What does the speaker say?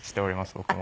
僕も。